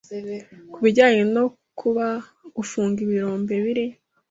Ku bijyanye no kuba gufunga ibirombe biri